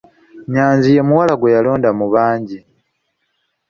Nnyanzi ye muwala gwe yalonda mu bangi.